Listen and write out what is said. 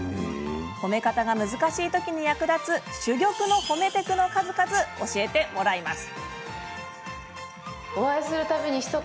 褒め方が難しい時に役立つ珠玉の褒めテクの数々教えてもらいます！